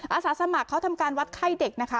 อาสาสมัครเขาทำการวัดไข้เด็กนะคะ